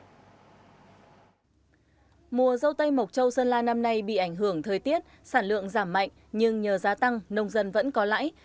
mùa dâu tây mộc châu sơn la năm nay bị ảnh hưởng thời tiết sản lượng giảm mạnh nhưng nhờ giá tăng nông dân vẫn có lãi